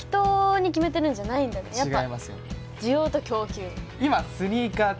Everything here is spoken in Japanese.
違いますよ。